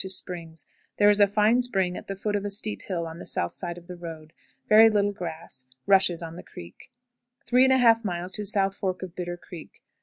Springs. There is a fine spring at the foot of a steep hill on the south side of the road. Very little grass; rushes on the creek. 3 1/2. South Fork of Bitter Creek.